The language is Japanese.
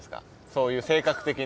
そういう性格的に。